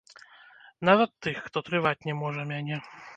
Нават тых, хто трываць не можа мяне.